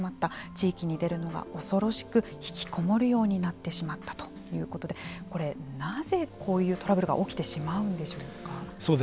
地域に出るのが恐ろしく引きこもるようになってしまったということでこれ、なぜこういうトラブルが起きてしまうんでしょうか。